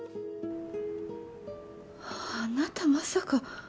あなたまさか。